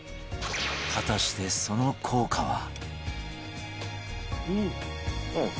果たしてその効果は？